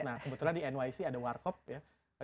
nah kebetulan di nyc ada warkop ya